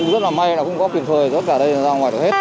rất là may là cũng có quyền phơi tất cả đây ra ngoài được hết